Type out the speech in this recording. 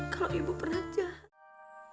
kalau ibu pernah jahat